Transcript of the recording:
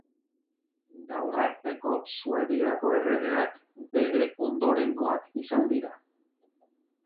Gaur arteko Suediako erregeak bere ondorengoak izan dira.